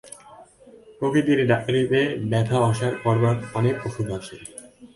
প্রকৃতির ডাক্তারিতে ব্যথা অসাড় করবার অনেক ওষুধ আছে।